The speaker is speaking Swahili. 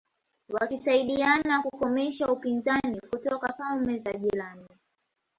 wakisaidiana kukomesha upinzani kutoka falme za jirani